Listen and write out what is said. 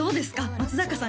松阪さん